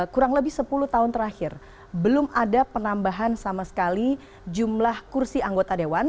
kurang lebih sepuluh tahun terakhir belum ada penambahan sama sekali jumlah kursi anggota dewan